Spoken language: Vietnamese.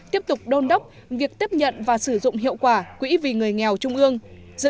tiếp tục đôn đốc việc tiếp nhận và sử dụng hiệu quả quỹ vì người nghèo trung ương